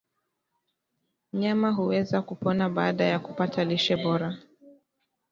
Mnyama huweza kupona baada ya kupata lishe bora